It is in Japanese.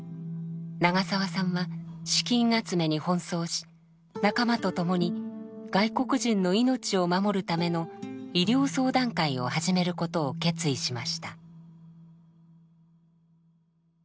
長澤さんは資金集めに奔走し仲間とともに外国人の命を守るための「医療相談会」を始めることを決意しました。